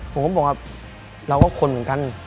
ผมก็บอกว่าเราก็คนเหมือนกัน